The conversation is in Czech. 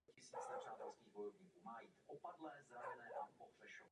Postavení oficiální církve de facto dosáhla také Gruzínská pravoslavná církev.